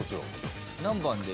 何番で？